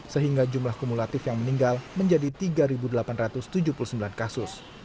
sehingga jumlah kumulatif yang meninggal menjadi tiga delapan ratus tujuh puluh sembilan kasus